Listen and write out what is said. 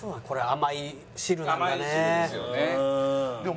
甘い汁ですよね。